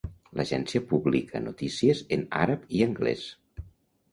L'agencia publica notícies en àrab i anglès.